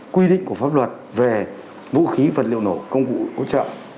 quy định của pháp luật về vũ khí vật liệu nổ công cụ hỗ trợ